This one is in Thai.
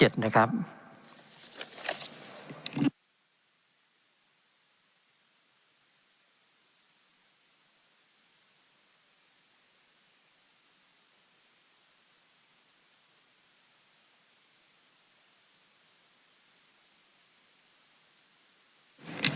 เป็นของสมาชิกสภาพภูมิแทนรัฐรนดร